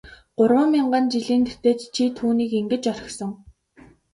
Гурван мянган жилийн тэртээд чи түүнийг ингэж орхисон.